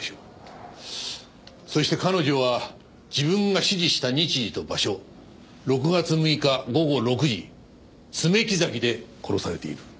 そして彼女は自分が指示した日時と場所６月６日午後６時爪木崎で殺されている。